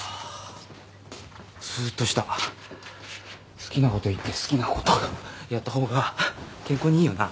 好きなこと言って好きなことやった方が健康にいいよな。